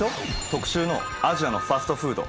特集の「アジアのファストフード！